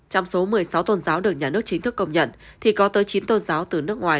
trong số một mươi sáu tôn giáo được nhà nước chính thức công nhận thì có tới chín tôn giáo từ nước ngoài